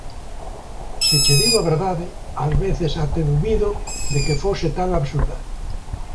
Se che digo a verdade, ás veces até dubido de que fose tan absurda.